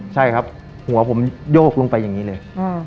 ใช่ครับหัวผมโยกลงไปอย่างนี้เลย